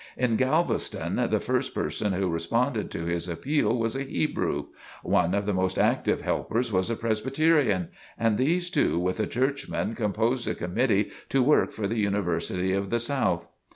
In Galveston, the first person who responded to his appeal was a Hebrew; one of the most active helpers was a Presbyterian, and these two with a Churchman composed a committee to work for The University of the South.